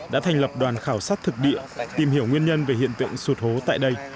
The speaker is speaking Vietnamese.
đã thành lập đoàn khảo sát thực địa tìm hiểu nguyên nhân về hiện tượng sụt hố tại đây